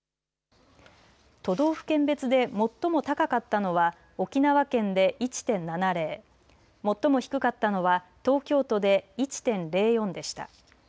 都道府県別で最も高かったのは沖縄県で１．７０最も低かったのは東京都で１．０４でした。